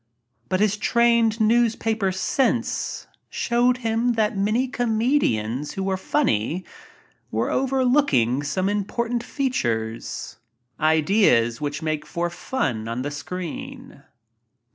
But his trained newspaper sense showed him that many comedians who were funny were overlooking some important features — ideas which make for fun on the screen.